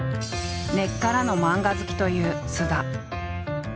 根っからの漫画好きという菅田。